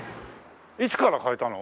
いつから変えたの？